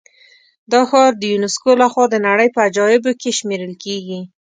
دا ښار د یونسکو له خوا د نړۍ په عجایبو کې شمېرل کېږي.